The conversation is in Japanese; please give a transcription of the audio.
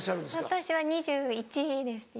私は２１歳です今。